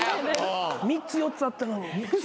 ３つ４つあったのに。